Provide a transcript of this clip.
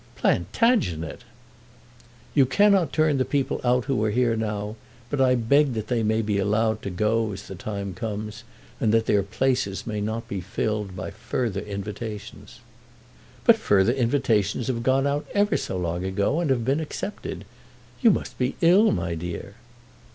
"Plantagenet!" "You cannot turn the people out who are here now; but I beg that they may be allowed to go as the time comes, and that their places may not be filled by further invitations." "But further invitations have gone out ever so long ago, and have been accepted. You must be ill, my dear."